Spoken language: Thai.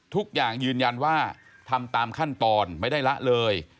ยืนยันว่าทำตามขั้นตอนไม่ได้ละเลย